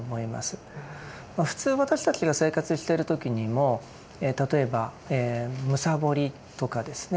普通私たちが生活している時にも例えば貪りとかですね